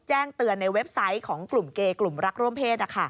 แจ้งเตือนในเว็บไซต์ของกลุ่มเกย์กลุ่มรักร่วมเพศ